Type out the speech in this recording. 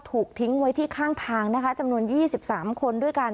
ถูกทิ้งไว้ที่ข้างทางนะคะจำนวน๒๓คนด้วยกัน